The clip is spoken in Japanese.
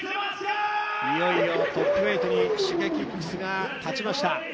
いよいよトップ８のＳｈｉｇｅｋｉｘが立ちました。